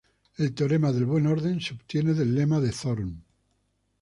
El teorema del buen orden se obtiene del lema de Zorn.